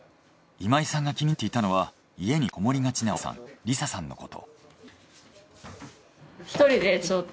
今井さんが気になっていたのは家にこもりがちな奥さん理紗さんのこと。